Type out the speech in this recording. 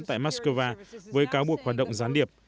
tại moscow với cáo buộc hoạt động gián điệp